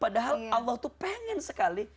padahal allah tuh pengen sekali